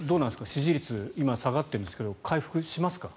支持率、今下がってるんですが回復しますか？